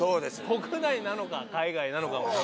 国内なのか海外なのかも。